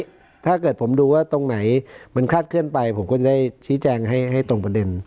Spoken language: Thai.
ถ้าเกิดผมดูว่าตรงไหนมันคาดเคลื่อนไปผมก็จะได้ชี้แจงให้ตรงประเด็น